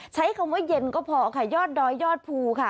ใช้คำว่าเย็นก็พอค่ะยอดดอยยอดภูค่ะ